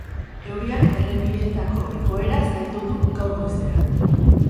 Euriak errepideetako egoera zaildu du gaur goizean.